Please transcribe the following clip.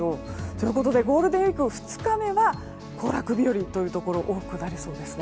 ということでゴールデンウィーク２日目は行楽日和というところが多くなりそうです。